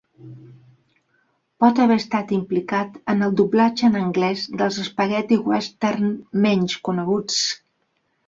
Pot haver estat implicat en el doblatge en anglès dels spaghetti western menys coneguts.